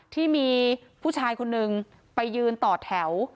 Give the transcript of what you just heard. ที่มีผู้ชายคนนึงไปยืนต่อแถว